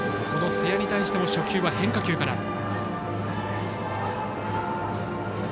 この瀬谷に対しても初球は変化球から。